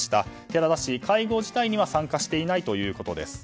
寺田氏、会合自体には参加していないということです。